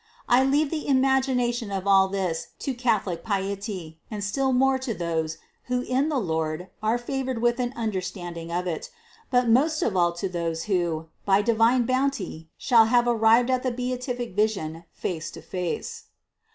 I leave the imagination of all this to Catholic piety, and still more to those who in the Lord are favored with an un derstanding of it, but most of all to those who, by di vine bounty shall have arrived at the beatific vision face to face.